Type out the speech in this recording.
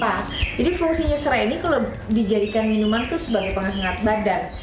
jadi fungsinya serai ini kalau dijadikan minuman itu sebagai pengangkat badan